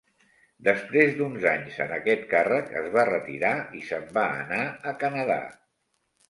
Després d'uns anys en aquest càrrec es va retirar i se'n va anar a Canada.